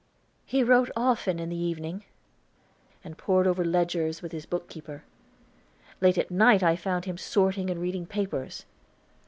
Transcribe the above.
He wrote often in the evening, and pored over ledgers with his bookkeeper. Late at night I found him sorting and reading papers.